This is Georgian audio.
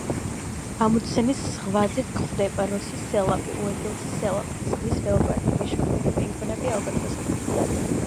ამუნდსენის ზღვა გვხვდება როსის სელაპი, უედელის სელაპი, ზღვის ლეოპარდი, ვეშაპები, პინგვინები, ალბატროსები.